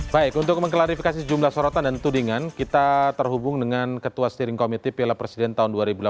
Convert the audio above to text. baik untuk mengklarifikasi sejumlah sorotan dan tudingan kita terhubung dengan ketua steering committee piala presiden tahun dua ribu delapan belas